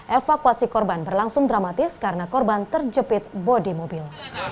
evakuasi korban berlangsung dramatis karena korban terjepit bodi mobil